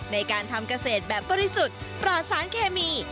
ในการทำเกษตรแบบบริสุทธิ์ปลอดสารเคมี